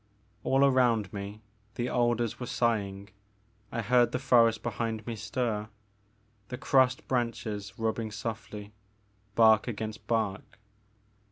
All around me the alders were sighing; I heard the forest behind me stir ; the crossed branches rubbing softly, bark against bark.